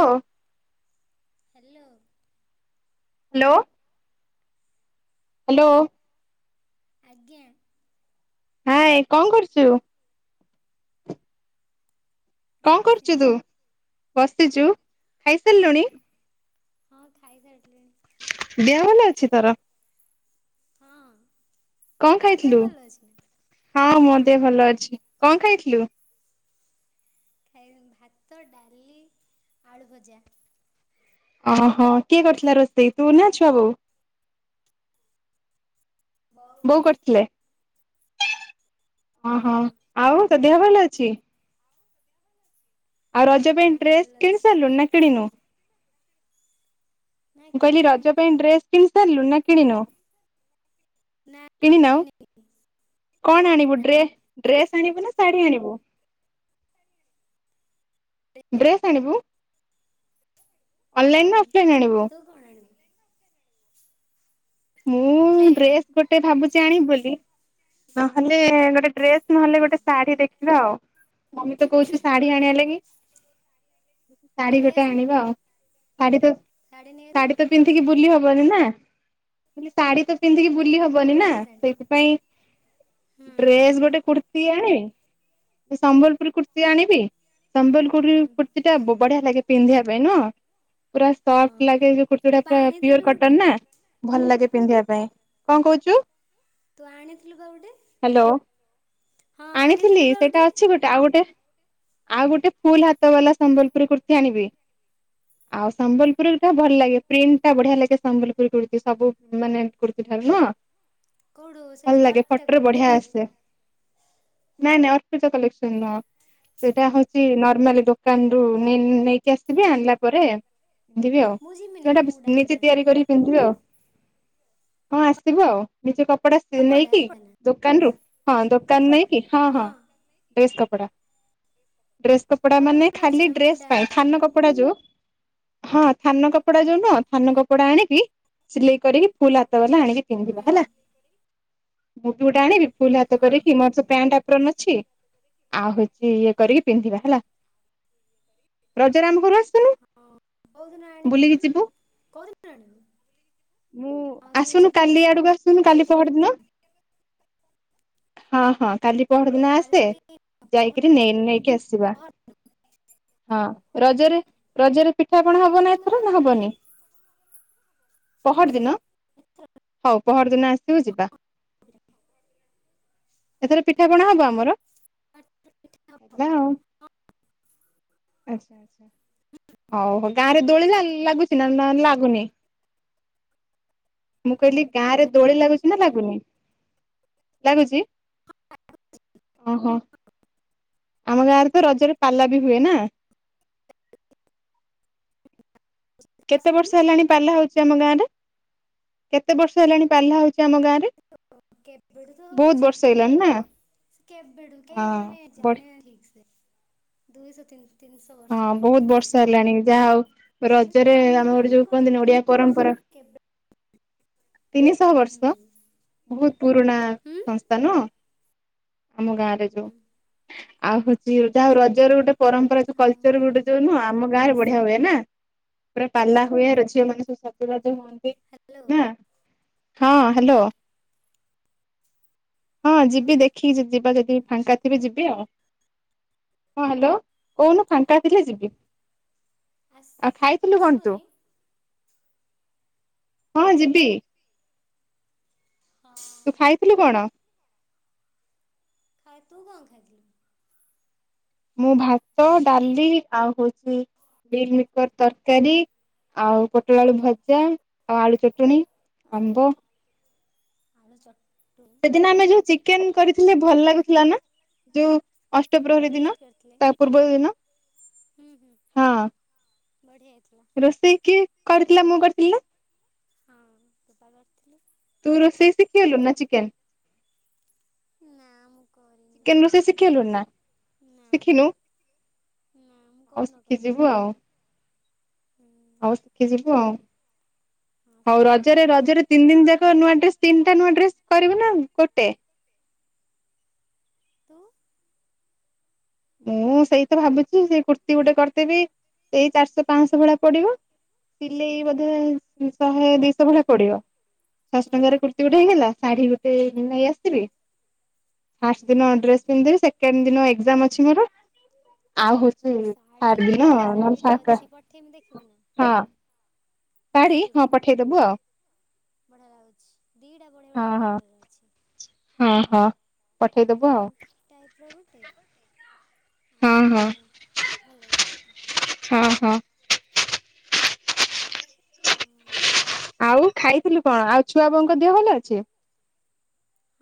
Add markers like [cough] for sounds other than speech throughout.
ଅଁ hello hello hello ଆଜ୍ଞା hi କଣ କରୁଚୁ? କଣ କରୁଚୁ ବସିଛି। ତୁ ବ ସିଚୁ ହଁ ଖାଇସାରିଲୁଣି? ହଁ ଖାଇ ସାଇଲିଣି। ଦେହ ଭଲ ଅଛି ତର? ହଁ କଣ ତୋ ଦେହ ଖାଇଥିଲୁ ଭଲ ଅଛି ନା? ହଁ ମୋ ଦେହ ଭଲ ଅଛି। କ ଣ ଖାଇଥିଲୁ। ଖାଇନ ଭାତ ଡାଲି ଆଳୁଭଜା। ଓହୋ କିଏ କରିଥିଲା ରୋଷେଇ ତୁ ନା ଛୁଆ ବୋଉ। ବୋଉ ହଁ କରିଥିଲେ। ଓହୋ ଆଉ ତୋ ଦେହଭଲ ଅଛି। ଆଉ ରଜ ପାଇଁ ହଁ ଡ୍ରେସ୍ ଭଲ ଅଛି କିଣିସାରିଲୁଣି ନା କିଣିନୁ। ନା ମୁଁ କହିଲି କିଣିନି ରଜ ତ ପାଇଁ ଡ୍ରେସ୍ କିିଣିି ସାରିଲୁଣି ନା କିଣିନୁ। ନା କିଣିିନାଉ କିଣିନି। କଣ ଆଣିବୁ ଡ୍ରେ ଡ୍ରେସ୍ ଆଣିବୁ ନା ଶାଢୀ ଆଣିବୁ। ଡ୍ରେସ୍ ଆଣିବୁ। ଅନଲାଇନ ହୁଁ ନା ଅଫଲାଇନ୍ ଆଣିବୁ। ତୁ କଣ ଆଣିବୁ? ମୁଁ ପ୍ଲେନ୍ ଆଣିବି ଡ୍ରେସ ଗୋଟେ ଭାବୁଛି ଆଣିବି ବୋଲି। ନହଲେ ଗୋଟେ ଡ୍ରେସ୍। ନହେଲେ ହଁ ଗୋଟେ ଶଢୀ ଦେଖ୍ ହାଲୋ। ମମି ତ କହୁଚି ଶାଢୀ ଆଣିଆ ଲାଗି। ଶାଢ଼ୀ ଶାଢୀ ନେଇ ଗୋଟେ ଆସୁନୁ ଆଣିବା ଆଉ। ଶାଢ଼ୀ ତ ଶାଢ଼ୀ ନେଇ ଆସୁନୁ ଶାଢୀ ତ ପିନ୍ଧିକି ବୁଲି ହ ମୋର ନା। ମୁଁ କହିଲି ଶାଢୀ ତ ପିନ୍ଧିକି ବୁ ପ୍ରି ହବନି ଆଉ ନା ଡ୍ରେସ୍ ଆଣିବୁ। ସେଇଥିପାଇଁ ହୁଁ ଡ୍ରେସ୍ ଗୋଟେ କୁର୍ତ୍ତି ଆଣିବି ସମ୍ବଲପୁର କୁର୍ତ୍ତୀ ଆଣିବି। ସମ୍ବଲପୁରୀ ହୁଁ କୁର୍ତ୍ତୀ ଟା ବଢିଆ ଲାଗେ। ପିନ୍ଧିବା ପାଇଁ ନୁହଁ। ପୁରା ସଫ୍ଟ ହଁ ଲାଗେ ଯୋଉ କୁର୍ତ୍ତୀ ତୁ ଗୁଡା ପା ପୁରା ପିଓର ଆଣିଥିଲୁ ଗୋଟେ କଟନ ନା ଭଲ ଲାଗେ। ପିନ୍ଧିବା ପାଇଁ କଣ କହୁଛୁ। ତୁ ଆଣିଥିଲୁ ପା ଗୋଟେ ହ୍ୟାଲୋ ହଁ ଆଣିଥିଲି ଆଣିଥିଲୁ ପା ସେଇଟା ଗୋଟେ ଅଛି ଆଉ ଗୋଟେ ଆଉ ଗୋଟେ ଫୁଲ ହାତ ବାଲା ସମ୍ବଲପୁରୀ କୁର୍ତ୍ତୀ ଆଣିବି ଆଉ ସମ୍ବଲପୁରୀ ଟା ଭଲ ଲାଗେ ପ୍ରିଣ୍ଟ ଟା ବଢିଆ ଲାଗେ ସମ୍ବଲପୁରୀ କୁର୍ତ୍ତୀ ସବୁ ମାନେ କୁର୍ତ୍ତୀ ଠାରୁ ନୁହଁ। କୋଉଠୁ ସେ ଭଲ ଯୋଉ ଲାଗେ ଅର୍ପିତା ଫଟୋରେ ବଢିଆ କଲେକ୍ସନରୁ ଆସେ। ନାଇଁ ନାଇଁ ଅପ୍ରିତା କଲେକ୍ସନ ନୁହଁ। ସେଇଟା ହଉଛି ନ ନର୍ମାଲି ଦୋକାନରୁୁ ନେଇ ନେଇକି ଆସିବେ ଆଣିଲା ପରେ ପିନ୍ଧିବି ଆଉ ମୁଁ ଯିମି ନା ସେଟା ମୁଁ ଗୋଟେ ନିଜେ ଆଣିଥାନ୍ତି ତିଆରି କରିକି ପିନ୍ଧିବି ଆଉ। ହଁ ଆସିବ ଆଉ ନିଜ କ ପଡା କପଡା କପଡ଼ା ନେଇକି ନା ଦୋକାନରୁୁ। ହଁ ଦୋକାନ କଟ ନେଇକି ହଁ ହଁ ଡ୍ରେସ୍ କପ୍ [unintelligible] ଡ୍ରେସ୍ କପଡା ଭଲ ମାନେ ଭଲ ଖାଲି ଅଛି ନା ମୁଁ ଡ୍ରେସ୍ ଗୋଟେ ପାଇଁ ଥାନ ଆଣିଥାନ୍ତି କପଡା ଯୋଉଁ ହଁ ଥାନ କପଡା ଯୋଉ ହ ଥାନ କପଡା ଆଣିକି ସିଲେଇ କରି ଫୁଲ୍ ହାତ ବାଲା ଆଣି ପିନ୍ଧିବ ହୁଁ ହେଲା। ମୁଁ ପି ଗୋଟେ ଆଣିବି। ଫୁଲ ହାତ ହଁ କରିକି ହଁ ମୋର ପ୍ୟାଣ୍ଟ ଅଛି ଆଉ ହେଉଛି ଇଏ କରିକି ପିନ୍ଧିବା ହେଲା ରଜରେ ଆମ ଘରୁ ଆସ୍ ହଁ କୋଉଁ ଦିନ ଆଣିବୁ ନା ଯିବୁ। କୋଉଁ ଦିନ ଆଣିବୁ? ମୁଁ ହଁ ତୁ ଆସୁନୁ ଯିବୁ କାଲି ଆଡକୁ ଆସୁନୁ କାଲି ପହର ଦିନ ହଁ ହଁ କାଲି ପହର ଦିନ ଆସେ କାଲି ଯାଇକିରି ନେଇ ନେଇକି ଆସିବା ହଁ ରଜରେ ରଜରେ ପିଠା ପଣା ହବ ନା ପହରଦିନ ଏଥର ନା ଗଲେ ହବନି? ପହରି ଦିନ ହଉ ପହରିଦିନ ଆସିବୁ ଯିବା। ଏଥର ପିଠା ପଣା ହବ ଆମର ହବନି ପିଠା ହବ ହେଲା ଆଉ ଓହୋ ଗାଁରେ ଦୋଳିି ଲା ଲାଗୁଛି ନା ଲାଗ୍ ଗୁନି। ମୁଁ କହିଲି ଗାଁରେ ଦୋଳି ଲାଗୁଛିି ନା ଲାଗ ଗୁନି ଲାଗୁଛି ଓହୋ ଆମ ଗାଁରେ ତ ରଜରେ ପାଲା ବି ହୁଏ ନା? କେତେ ଆସୁନୁ ବର୍ଷ ହେଲାଣି ପାଲା ହଉ ଆମ ଗାଁରେ, କେତେ ବର୍ଷ ହେଲାଣି ପାଲା ହଉଛି ଆମ ଗାଁରେ? କେବେଠୁ ତ ହଉଛି ହେଇଲାଣି ନା ହଁ କେବେଠୁ କେହି ମାନେ ବଢି ଜାଣେନା ଠିକ ସେ। ଦୁଇଶ ତିନ୍ ହଁ ବହୁତ ବର୍ଷା ହେଲାଣି ଯାହା ଆଉ ରଜରେ ସେଟା ଆମେ ଗୋଟେ ଅନୁମାନ ଯୋଉ କରୁଛନ୍ତି କୁହନ୍ତିନି ଓଡିଆ ତିନିଶହ ବର୍ଷ ପରମ୍ପରା କେବେ ତିନିଶହ ବର୍ଷ, ହୁଁ। ବହୁତ ପୁରୁଣା ହୁଁ। ସଂସ୍ଥା ନୁହଁ। ଆମ ଗାଁରେ ଯୋଉ ହୁଁ ଆଉ ହଉଛି ଯାହା ହଉ ରଜରେ ଗୋଟେ ପର କଲଚର ଆଉ ଗୋଟେ ଯୋଉ ନୁହଁ, ଆମ ଗାଁ ରେ ବଢିଆ ଆସିବୁ ହୁଏ ତୁ ନା? ପୁରା ପାଲା ହୁଏ ଝିଅ ମାନେ ସବୁ ସଜବାଜ ହୁଅନ୍ତି ହ୍ୟାଲୋ। ନା ହଁ ହ୍ୟାଲୋ। ହଁ ହ୍ୟାଲୋ ଯିବି ଦେଖିକି ଯଦି ଯିବା ସେଠିକି ଫାଙ୍କା ଥିବେ ଯିବି ଆଉ। ହଁ ହ୍ୟାଲୋ। କଉନୁ ଫାଙ୍କା ଥିଲେ ଯିବି। ଆସ ଆଉ ଖାଇଥିଲୁ କଣ ତୁ? ଆସିବୁନି ହଁ ଯିବି। ହଁ ତୁ ଖାଇଥିଲୁ କଣ? ଖାଇ ତୁ କଣ ଖାଇଥିଲୁ? ମୁଁ ଭାତ, ଡାଲି ଆଉ ହଉଛି ମିଲ ମିକର ତରକାରୀ ଆଉ ପୋଟଳ, ଆଳୁ ଭଜା ଆଉ ଆଳୁ ଚଟଣି, ଆମ୍ବ ଆଳୁ ଚଟ୍ ସେଦିନ ଆମେ ଯୋଉ ଚିକେନ କରିଥିଲେ ଭଲ ଲାଗୁଥିଲା ନା ଯୋଉ ଅଷ୍ଟପ୍ରହରୀ ଦିନ ଫିଷ୍ଟ କରିଥିଲେ ତା ପୂର୍ବ ଦିନ ହୁଁ ହୁଁ ବଢ଼ିଆ ହେଇଥିଲା ହଁ ରୋଷେଇ କିଏ କରି ଥିଲା ମୁଁ କରିଥିଲି ନା ହଁ ତୁ ପା କରିଥିଲୁ। ତୁ ରୋଷେଇ ଶିଖିଗଲୁଣି ନା ଚିକେନ୍? ନା ମୁଁ କରିନି ଚିକେନ ରୋଷେଇ ଶିଖିଗଲୁଣି ନା? ନା ଶିଖିନୁ ନା ମୁଁ ହଉ କୋଉଦିନ କରିନି ଶିଖିଯିବୁ ଆଉ। ହୁଁ ହଉ ଶିଖି ଯିବୁ ଆଉ। ହଁ ହଉ ସେଟା ରଜରେ ରଜରେ ତିନି ଦିନ ଯା ନୂଆ ଡ୍ରେସ ତିନିଟା ନୂଆ ଡ୍ରେସ କରିବୁ ନା ଗୋଟେ? ତୁ ମୁଁ ସେଇ ତ ଭାବୁଛି ସେଇ କୁର୍ତ୍ତୀ ଗୋଟେ କରିଦେବି ସେଇ ଚାରିଶହ, ପାଞ୍ଚଶହ ଭଳିଆ ପଡିବ। ହୁଁ ସିଲେଇ ବୋଧେ ଶହେ ଦିଶହ ଭଳିଆ ପଡିବ। ପାଶ ହୁଁ ଟଙ୍କାରେ କୁର୍ତ୍ତି ଗୋଟେ ହେଇଗଲା। ଶାଢ଼ୀ ଗୋ ନେଇ ଆସିଥିବି ହୁଁ ଫାଷ୍ଟ ଦିନ ଡ୍ରେସ ପିନ୍ଧିଦେବି ସେ ସେକେଣ୍ଡ ଦିନ ଏକ୍ସଜାମ ଅ ଆଉ ହଉଛି ଶାଢୀ ଥାର୍ଡ ଗୋଟେ ଦିନ ବଢିଆ ଶାଢୀ ରେ ନହେଲେ ଶା ଅଛି ପଠେଇମି ଦେଖିବୁ ନା? ହଁ ମି ଶାଢୀ ହଁ ପଠେଇଦବୁ ଆଉ ବଢିଆ ଲାଗୁଛି ଦିଟା ବଢିଆ ବଢିଆ ହଁ କଲର ଅଛି [inaudible] ହଁ ହଁ। ପଠେଇଦବୁ ଆଉ ପିଙ୍କ ଟାଇପ ର ଗୋଟେ ହଁ ଆଉ ହଁ ଗୋଟେ ଭଲ ଭଲ ହଁ ହଁ। ହଁ ଆଉ ଖାଇଥିଲୁ କଣ, ଆଉ ଛୁଆ ବୋଉଙ୍କ ଦେହ ଭଲ ଅଛି।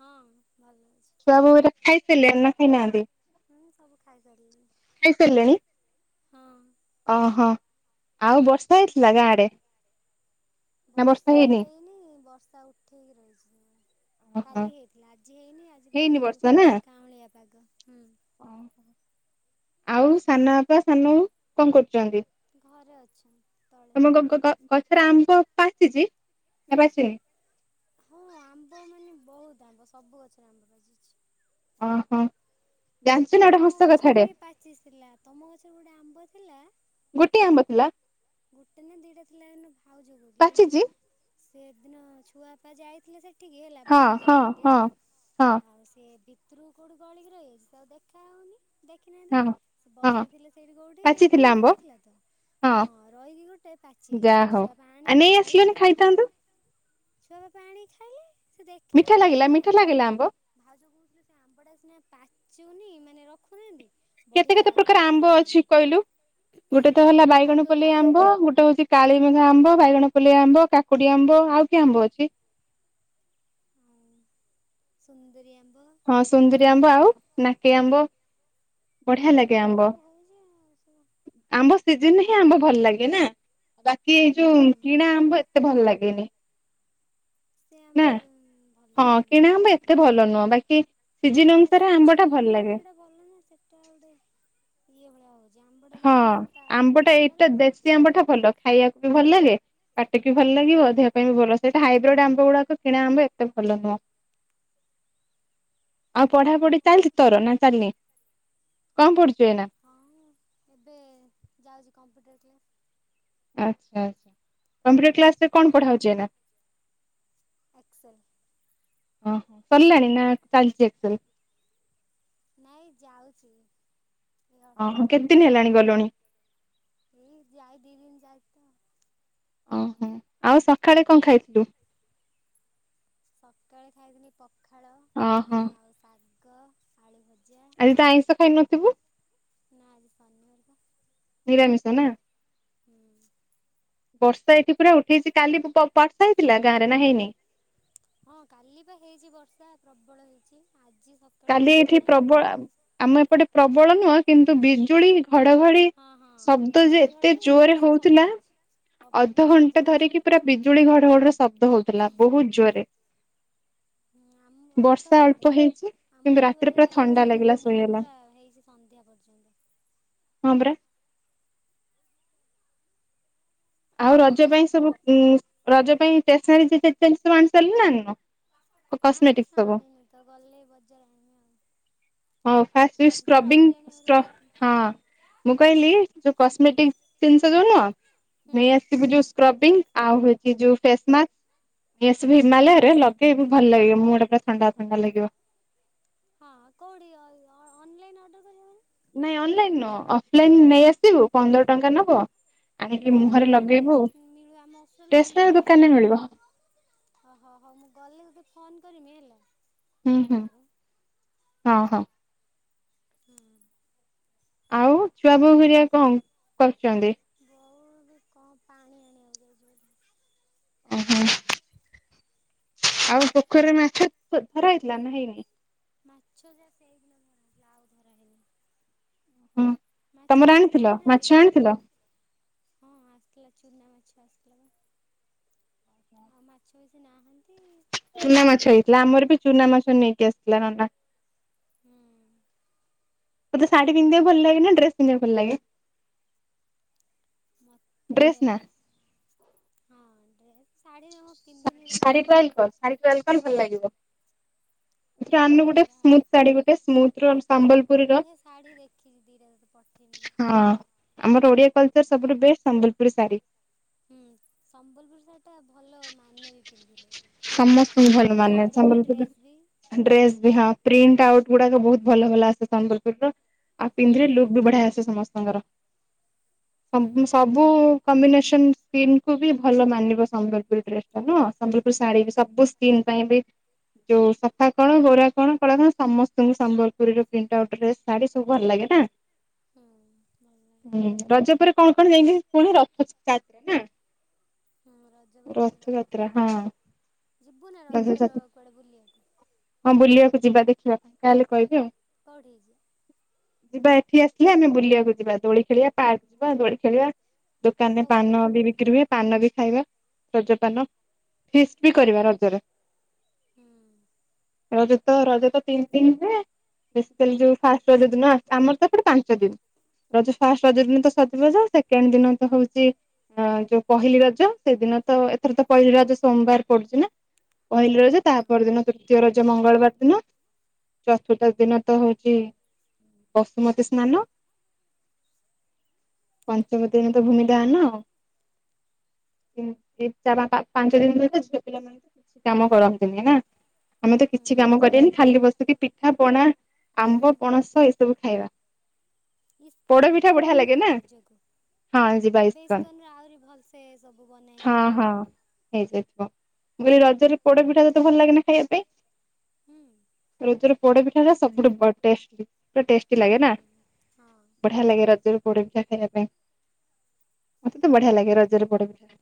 ହଁ ଭଲ। ଅଛି ଛୁଆ ବୋଉ ହେରା ଖାଇସାରିଲେନି ନା ଖାଇନାହାନ୍ତି। ହୁଁ ସବୁ ଖାଇ ସାରିଲେଣି। ଖାଇସାରିଲେଣି। ହଁ। ଓହୋ ଆଉ ବର୍ଷା ହେଇଥିଲା ଗାଁ ଆଡେ। ବର୍ଷା ହେଇନି ବର୍ଷା ଉଠେଇକି ରହିଛି। ଓହୋ କାଲି ହେଇଥିଲା। ଆଜି ହେଇନି ଆଜି ପୁରା ହେଇନି କିନ୍ତୁ ବର୍ଷା ନା କାଉଁଳିଆ ପାଗ ହୁଁ। ଆଉ ସାନ ବାପା ସାନବୋଉ କଣ କରୁ ଚନ୍ତି ଘରେ ଅଛ ତଳେ [unintelligible] ସେରା ଆମ୍ୱ ପାଚିଛି ନା ପାଚିନି। ହଁ ଆମ୍ବ ମାନେ ବହୁତ ଆମ୍ବ ସବୁ ଗଛରେ ଆମ୍ବ ପାଚିଛି। ଓହୋ। ଜାଣିଛୁ ନା ଗୋଟେ ତମ ହସ ଗଛରେ କଥାଟେ ବି ପାଚି ଥିଲା। ତମ ଗଛରେ ଗୋଟେ ଆମ୍ବ ଥିଲା। ଗୋଟେ ଆମ୍ୱ ଥିଲା। ଗୋଟେ ନା ଦିଟା ଥିଲା ଏ ଭାଉଜ କହୁଥିଲା ବୋଲି ପାଚିଛି ମୁଁ ସେଦିନ ଛୁଆପା ଯାଇଥିଲେ ସେଠି ଟିକେ ହେଲା ହଁ ହଁ ବସିଥିଲେ ସେଠି ହଁ ହେଲା। ହଁ ଆଉ ସେ ବି ଭିତୁରୁକୁ କୋଉଠୁ ଗଳିକି ରହିଗଲୁ ତ ଆଉ ଦେଖାହଉନି। ଦେଖିନାହାନ୍ତି। ହଁ ସେ ହଁ ବସିଥିଲେ ସେଇଠି କୋଉଠି ପାଚିଥିଲା ଖରା ଆମ୍ବ ହଉଥିଲା ତ ହଁ। ରହିକି ଗୋଟେ ପାଚି ଯାଇଛି। ଯାହା ଗୋଟେ ହଉ ଛୁଆ ପାଇଁ ଆ ଆଣିଲେ ନେଇ ଭାଉଜ ଆସିଲନି ରେ କିନ୍ତୁ ଖାଇଥାନ୍ତୁ ଛୁଆ ବାପା ଆଣିକି ଖାଇଲେ। ସେ ମିଠା ଦେଖିଲେନି ଲାଗିଲା ହେଲେ। ମିଠା ଲାଗିଲା ଆମ୍ବ? [unintelligible] ଚୁନି ମାନେ ରଖୁନାହାନ୍ତି। କେତେ ବଢ଼ିଆ କେତେ ପ୍ରକାର ଲାଗୁଛି ସେ ଆମ୍ବ ଅଛି ଆମ୍ବଟା କହିଲୁ। ଗୋଟେ ତ ହେଲା ଆଉ ବାଇଗଣ ପଲ୍ଲି କହିଲେ ଆମ୍ବ ଗୋଟେ ଗୋଟେ ହଉଛି କାଳିମେଘା ଆମ୍ବ ବାଇଗଣ ପଲିଆ ଆମ୍ବ କାକୁଡିଆ ଆମ୍ବ। ଆଉ କି ଆମ୍ବ ଅଛି। ସୁନ୍ଦରୀ ଆମ ହଁ ସୁନ୍ଦରୀ ଆମ୍ବ ଆଉ ନାକେଇ ଆମ୍ବ। ବଢ଼ିଆ ଆମର ଲାଗେ ତ ଏଇ ଆମ୍ବ ସବୁ ହଉଛି ଆଉ ସବୁ ଆମ୍ବ ସିଜିନ୍ ହିଁ ଆମ୍ବ ଭଲ ଲାଗେ। ଏନା ବା କି ଏଇ ଯୋଉ ହୁଁ। କିଣା ଆମ୍ବ ଏତେ ଭଲ ଲାଗେନି। ସେ ନା ଆମ୍ବ ଭଲ ହଁ ଲାଗେନା କିଣା ନା। ଆମ୍ବ ଏତେ ଭଲ ନୁହଁ। ବାକି ସିଜିନ୍ ଏଇଟା ଅନୁସାରେ ଆମ୍ବ ସିଜିନ ଟା ର ଭଲ ଯୋଉଟା ଲାଗେ। ସେଇଟା ଭଲ ନା ସେଟା ଗୋଟେ ଇଏ ଭଳିଆ ହବ। ହଁ ଆମ୍ବଟା ଏଇଟା ହୁଏ ଦେଶୀ ଆମ୍ବ ଟା ଭଲ ଖାଇବାକୁ ଭଲ ଲାଗେ କାଟିକି ଭଲ ଲାଗିବ ଦେହ ପାଇଁ ବି ଭଲ ସେଇଟା ହାଇବ୍ରିଡ଼ ଆମ୍ବ ଗୁଡାକ କିଣା ଆମ୍ବ ଏତେ ଭଲ ନୁହଁ। ଆଉ ପଢ଼ା ହୁଁ। ପଢ଼ି ଚାଲିଛି ତୋର ନା ଚାଲିନି, କଣ ପଢ଼ୁଛୁ ଏଇନା? ହଁ ଏବେ ଯାଉଛି କମ୍ପ୍ୟୁଟର କ୍ଲାସ୍। ଆଚ୍ଛା ଆଚ୍ଛା କମ୍ପ୍ୟୁଟର କ୍ଲାସ ରେ କଣ ପଢ଼ା ହଉଛି ଏଇନା? ଏକ୍ସେଲ୍। ଓ ହୋ ସରିଲାଣି ନା ଚାଲିଛି ଏକ୍ସେଲ୍? ନାଇଁ ଯାଉଚି। ଓହୋ କେତେ ଦିନ ହେଲାଣି ଗଲଣି? [inaudible] ଏଇ ଯାହା ଦି ଦିନ ତ ଓହୋ ଆଉ ସକାଳେ କଣ ଖାଇଥିଲୁ? ସକାଳେ ଖାଇଥିଲି ପଖାଳ। ଓହୋ ପଖାଳ ଆଉ ଶାଗ। ପଖାଳ ଆଳୁ ଭର୍ତ୍ତା। ଆଜି ତ ଆଇଁଷ ଖାଇ ନଥିବୁ ନା ଆଜି ଶନିବାର ପା ନିରାମିଷ? ସତ ନା? [inaudible] ବର୍ଷା ଏଇଠି ପୁରା ଉଠେଇଛି କାଲି ବର୍ଷା ହେଇଥିଲା ଗାଁ ରେ ନା ହେଇନି? ହଁ କାଲି ବା ହେଇଛି ବର୍ଷା ପ୍ରବଳ ହେଇଛି ଆଜି ସକାଳୁ କାଲି ବର୍ଷା ଏଇଠି ନାହିଁ ପ୍ରବଳ ହେଲେ ଆ ଆମ ଏପଟେ ପ୍ରବ ପ୍ରବଳ ନୁଁହ କିନ୍ତୁ ବିଜୁଳି ଘଡ଼ଘଡ଼ି ହଁ ହଁ ଶବ୍ଦ ଯେ ବିଜୁଳି ଏତେ ଘଡଘଡି ଜୋରରେ ବର୍ଷା ସବୁ ହଉଥିଲା ହେଇଛି। ପବନ ସବୁ ଅଧଘଣ୍ଟା ହେଇଛି ଧରିକି କାଲି ପୁରା ବିଜୁଳି ଘଡ଼ଘଡ଼ି ର ଶବ୍ଦ ହଉଥିଲା ବହୁତ୍ ଜୋରରେ। ଆମ ବର୍ଷା ଅଧଘଣ୍ଟେ ଅଳ୍ପ ହେଇଛି। ଆମ କିନ୍ତୁ ଏଠି ରାତିରେ ବୋଧେ ପୁରା ହେଇଛି ଥଣ୍ଡା ଲାଗିଲା ଦିନରୁ ଶୋଇଗଲା ପୁରା ହେଇଛି ସନ୍ଧ୍ୟା ପର୍ଯ୍ୟନ୍ତ ହଁ ପରା। ଆଉ ରଜ ପାଇଁ ସବୁ ଉ ହଁ। ରଜ ପାଇଁ ଷ୍ଟେସନାରୀ ଜିନିଷ ସବୁ ଆଣିସାରିଲୁ ନା ଆଣିନୁ? ନା କସ୍ମେଟିକ କିଛି ସବୁ ଆଣିନି ତ ଗଲେ ବଜାର ଆଣିବି ଆଉ। ହ ହଁ ଫାର୍ଷ୍ଟ ହଉଛି ରଜ ତ ରହିଲାଣି ସ୍କ୍ରବିଙ୍ଗ ସ୍କ୍ର ଆହୁରି ବହୁତ ହଁ ମୁଁ କହିଲି ଯଉ କସ୍ମେଟି ଜିନିଷ ଯଉ ନୁହଁ। ହୁଁ ନେଇ ଆସିବୁ ଯୋଉ ସ୍କ୍ରବିଂ ଆଉ ହଉଛି ଯୋଉ ଫେସ ମାସ୍କ ଫେସରେ ହିମାଳୟର ଲଗେଇବୁ ଭଲ ଲାଗିବ ମୁଁହ ଟା ପୁରା ଥଣ୍ଡା ଥଣ୍ଡା ଲାଗିବ। ହଁ କୋଉଠି ଅନଲାଇନ ଅନଲାଇ ଅର୍ଡର କରିବା ହେବା ନା? ନାଇଁ ଅନଲାଇନ ନୁହଁ ଅଫଲାଇନ ନେଇ ଆସିବୁ ପନ୍ଦର ଟଙ୍କା ନବ ଆଣିକି କୋଉଠି ମୁହଁରେ ଲଗେଇବୁ କେଜାଣି ମିଳେ ଆମ ଏଠି ଷ୍ଟେସନାରୀ ମିଳେନି ଦୋକାନରେ ବୋଧେ ମିଳିବ। ଓହୋ ହୋ ହଉ ମୁଁ ଗଲେ ତତେ ଫୋନ କରମି ହେଲା। ହୁଁ ହୁଁ [unintelligible] ହଁ ହଁ, [inaudible] ଆଉ ଛୁଆ ବୋଉ ଘରିଆ କଣ କରୁଛନ୍ତି? ବଉ କଣ ପାଣି ଆଣିବାକୁ ଯାଇଛି ବୋଧେ ଓ ହୋ, ଆଉ ପୋଖରିରେ ମାଛ ଧରାହେଇଥିଲା ନା ହେଇନାଇଁ। ମାଛ ଯା ସେଇ ଦିନ ଧରା ହେଇଥିଲା ଆଉ ଧରା ହେଇନି ହଁ [unintelligible] ମାଛ ତମର ବେଶୀ ଆଣିଥିଲ ନାହାନ୍ତି ମାଛ ଆଣିଥିଲ? ପୋଖରିରେ। ହଁ ଆସିଥିଲା ଚୁନା ମାଛ ଆସିଥିଲା ବା ଆଉ ମାଛ ବେସି ନାହାନ୍ତି। ଚୁନା ମାଛ ହେଇଥିଲା ଆମର ବି ଚୁନା ମାଛ ନେଇକି ଆସିଥିଲା ନନା। ହୁଁ, ତୋତେ ଶାଢୀ ପିନ୍ଧିବାକୁ ଭଲ ଲାଗେ ନା ଡ୍ରେସ ପିନ୍ଧିବାକୁ ଭଲ ଲାଗେ। ମୋତେ, ଡ୍ରେସ୍ ନା ହଁ ଡ୍ରେସ ଶାଢ଼ୀ ମୁଁ ପିନ୍ଧିନି ଶାଢୀ ଟ୍ରାଏଲ କର ଶାଢୀ ଟ୍ରାଏଲ କଲେ ଭଲ ଲାଗିବ। ଏଠିକି ଆଣୁନୁ ଗୋଟେ ଦେଖିବା ସ୍ମୁଥ୍ ଶାଢୀ ଗୋଟେ ସ୍ମୁଥ ତ୍ରୋନ ସମ୍ବଲପୁରୀର ବଢ଼ିଆ ଶାଢ଼ୀ ଦେଖିଛି ଦିଟା ତତେ ପଠେଇମି ଦେଖିବୁ ହଁ ଯଦି ଆମର ଓଡିଆ କଲଚର ସବୁଠୁ ବେଷ୍ଟ ସମ୍ବଲପୁର ସାଢ଼ୀ। ହୁଁ ସମ୍ବଲପୁରୀ ଶାଢ଼ୀ ଟା ସମସ୍ତଙ୍କୁ ଭଲ ସମ୍ବଲପୁର ମାନେ ଶାଢ଼ୀ ବି ସମ୍ବଲପୁରୀ ଡ୍ରେସ୍ ବି ଡ୍ରେସ୍ ବି ପ୍ରିଣ୍ଟ ଟାଉଟ ଗୁଡାକ ବହୁତ ଭଲ ଭଲ ଆସେ ସମ୍ବଲପୁରୀ ର ଆଉ ହୁଁ ପିନ୍ଧିଲେ ଲୁକ୍ ବି ବଢିଆ ଆସେ ସମସ୍ତେ ସାଙ୍ଗର ହୁଁ। ସ ସବୁ କମ୍ବିନେସନ ସ୍କିନ୍ କୁ ବି ଭଲ ମାନିବ ସମ୍ବଲ ଡ୍ରେସ ଟାନୁଁହ ସମ୍ବଲପୁରୀ ଶାଢୀ ସବୁ ସ୍କିିନ ପାଇଁ ବି ଯୋଉ ସଫା କଣ ଗୋରା କଣ କଳା କଣ ସମସ୍ତଙ୍କୁ ସମ୍ବଲପୁରୀର ପ୍ରିଣ୍ଟ ଆଉଟ ଡ୍ରେସ ଶାଢୀ ସବୁ ଭଲ ଲାଗେ ନା? ହୁଁ ଭଲ ଲାଗେ ହୁଁ ରଜ ପରେ କଣ କଣ ଯାଇକି ପୁଣି ରଥ ଯାତ୍ରା ରେ ନା ହଁ, ରଥଯାତ୍ରା ହଁ ଯିବୁ ନା ରଜର ରଥଯାତ୍ରା କୁଆଡ଼େ ବୁଲିବାକୁ? ହଁ ବୁଲିବାକୁ ଯିବା ଦେଖ ଯିବା ପାଇଁ ହେଲେ କହିବି ଆଉ। କୋଉଠି କି ଯିବୁ? ଯିବା ଏଠି ଆସିଲେ ଆମେ ବୁଲିବାକୁ ଯିବା ଦୋଳି ଖେଳିବା ପାର୍କ ଯିବା ଦୋଳି ଖେଳିବା ଦୋକାନରେ କୋଉ ଦିନ ପାନ ବି ବିକ୍ରି ହୁଏ ପାନ ବି ଖାଇବା। ରଜପାନ ଫିଷ୍ଟ ବି କରିବା ରଜରେ। ହୁଁ। ରଜ ତ ରଜ ତ ତିନି ଦିନ ହୁଏ ବେସିକାଲି ଯୋଉ ଫାଷ୍ଟ ରଜ ଦିନ ଆମର ତ ଏପଟେ ପାଞ୍ଚ ଦିନ ରଜ ଫାଷ୍ଟ ରଜ ଦିନ ତ ସଜବାଜ ସେକେଣ୍ଡ ଦିନ ତ ହଉଛି ଯୋଉ ପହିଲି ରଜ। ସେଦିନ ତ ଏଥର ତ ପହିଲି ରଜ ହୁଁ ତ ସୋମବାର ପଡୁଛି ନା ପହିଲି ରଜ ତା ହଁ ପର ଦିନ ତୃତୀୟ ରଜ ମଙ୍ଗଳବାର ଦିନ ଚତୁର୍ଥ ଦିନ ତ ହଉଛି ବସୁମତୀ ସ୍ନାନ ପଞ୍ଚମ ଦିନ ତ ଭୂମି ଦାହନ ଆଉ ପା ପା ପାଞ୍ଚ ଦିନ ପର୍ଯ୍ୟନ୍ତ ଝିଅ ପିଲା କିଛି କାମ କରନ୍ତିନି ନା ଆମେ ତ କିଛି ହୁଁ କାମ କରବାନି ଖାଲି ବସିକି ପିଠା ପଣା ଆମ୍ବ ପଣସ ଏସବୁ ଖାଇବା ପୋଡ ଇସ୍କନ ପିଠା ଯିବାନା ବଢିଆ ଲାଗେ ଗଲେ ନା ରଜକୁ ହଁ ଯିବା ଏବେ ଇସ୍କନ ର ଆହୁରି ଭଲସେ ସବୁ ବନା ହେଇ ହଁ ଯାଇଥିବ ହଁ ନା ହେଇଯାଇଥିବ ମୁଁ କହିଲି ରଜରେ ପୋଡ ପିଠା ତତେ ଭଲ ଲାଗେନା ଖାଇବା ପାଇଁ? ହୁଁ ପ୍ରକୁତରେ ପୋଡ ପିଠା ଟା ସବୁଠୁ ବ ଟେଷ୍ଟ ବି ପୁରା ଟେଷ୍ଟି ହୁଁ ଲାଗେ ନା ହଁ ବଢିଆ ଲାଗେ ରଜରୁ ପୋଡ ପିଠା ଖାଇବା ପାଇଁ ମତେ ତ ବଢିଆ ଲାଗେ ରଜରେ ପୋଡ ପିଠା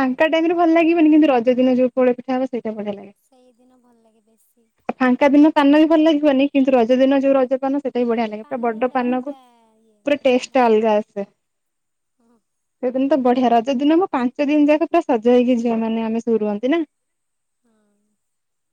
ଫାଙ୍କା ଟାଇମରେ ଭଲ ଲାଗିବନି କିନ୍ତୁ ର ସେଦିନ ଯଉ ପୋ ପିଠା ଆସେ ବଢିଆ ଲାଗେ ସେଇଦିନ ଭଲ ଲାଗେ ବେଶୀ ଫାଙ୍କା ଦିନ ପାନ ବି ଭଲ ଲାଗିବନି କିନ୍ତୁ ରଜ ଦିନ ଯୋଉ ପାନ ସେଟା ବି ସେ ବଢିଆ ଲାଗେ ପୁରା ପାନର ବଡ ଗୋଟେ ପାନକୁ ଅଲଗା ଇଏ ଟେଷ୍ଟ ଭଲ ଅଲଗା ଲାଗେ ଆସେ। ହଁ ତ ବଢିଆ ରଜ ଦିିନ ମୁଁ ପାଞ୍ଚ ଦିନ ଯାକ ପୁରା ସଜ ହେଇକି ଝିଅ ମାନେ ଆମେ ସବୁ ରୁହନ୍ତି ନା ହଁ